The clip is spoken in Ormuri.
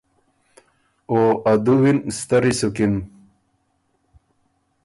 او ا دُوی ن ستری سُکِن۔